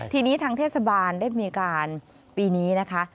ทีนี้ทางเทศบาลได้มีการปีนี้นะคะ